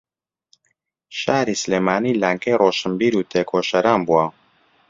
شاری سلێمانی لانکەی ڕۆشنبیر و تێکۆشەران بووە